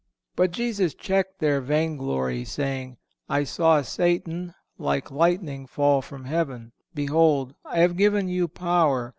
But Jesus checked their vain glory, saying: "I saw Satan like lightning fall from heaven. Behold, I have given you power